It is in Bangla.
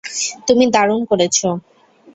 তুমি দারুণ করেছ।